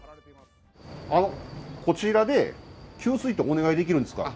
こちらで給水ってお願いできるんですか？